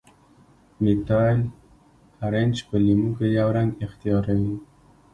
میتایل ارنج په لیمو کې یو رنګ اختیاروي.